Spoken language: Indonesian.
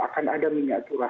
akan ada minyak curah